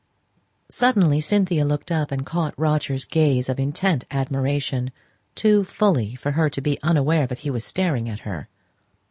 Suddenly Cynthia looked up, and caught Roger's gaze of intent admiration too fully for her to be unaware that he was staring at her.